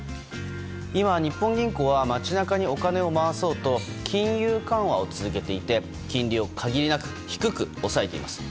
今、日本銀行は街中にお金を回そうと金融緩和を続けていて金利を限りなく低く抑えています。